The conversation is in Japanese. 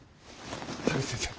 田口先生。